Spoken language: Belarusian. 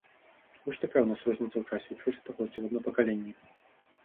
Вось такая ў нас розніца ў часе, у чвэрць стагоддзя, у адно пакаленне.